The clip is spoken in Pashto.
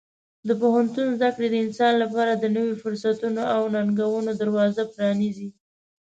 د پوهنتون زده کړې د انسان لپاره د نوي فرصتونو او ننګونو دروازه پرانیزي.